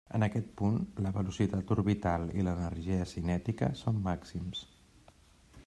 En aquest punt, la velocitat orbital i l'energia cinètica són màxims.